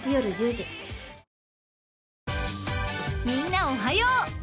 ［みんなおはよう。